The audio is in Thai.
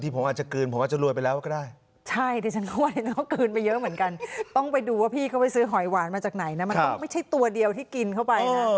ถ้าท่านใดสนใจก็ติดต่อมาได้ครับ